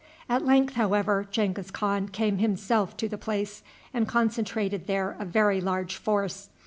At length, however, Genghis Khan came himself to the place, and concentrated there a very large force.